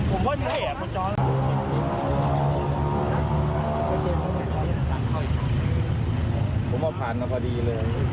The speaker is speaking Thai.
ผมบอกผ่านกันพอดีเลย